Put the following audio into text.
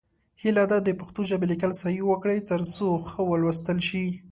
هیله ده د پښتو ژبې لیکل صحیح وکړئ، تر څو ښه ولوستل شي.